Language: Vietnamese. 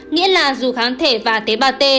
nghĩa là dù kháng thể và tế bào t